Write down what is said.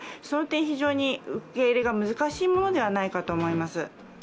その点、非常に受け入れが難しいものではないかと思います。